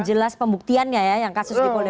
jelas pembuktiannya ya yang kasus di politik